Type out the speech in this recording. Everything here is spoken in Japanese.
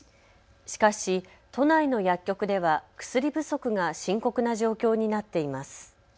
しかし都内の薬局では薬不足が深刻な状況になっています。